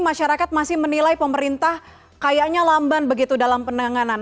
masyarakat masih menilai pemerintah kayaknya lamban begitu dalam penanganan